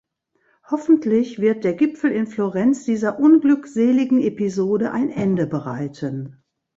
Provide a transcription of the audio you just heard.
Hoffentlich wird der Gipfel in Florenz dieser unglückseligen Episode ein Ende bereiten.